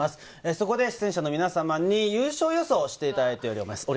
そこで出演者の皆さまに優勝予想をしていただいております。